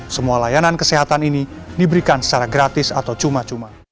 semua layanan kesehatan ini diberikan secara gratis atau cuma cuma